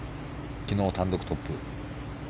昨日単独トップ。